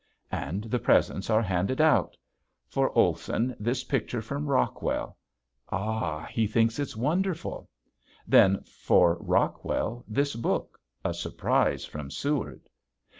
And the presents are handed out. For Olson this picture from Rockwell. Ah, he thinks it's wonderful! Then for Rockwell this book a surprise from Seward.